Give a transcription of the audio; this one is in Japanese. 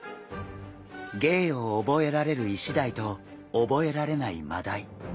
芸を覚えられるイシダイと覚えられないマダイ。